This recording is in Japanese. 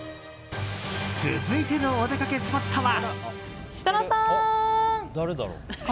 続いてのお出かけスポットは。